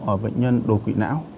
ở bệnh nhân đột quỵ não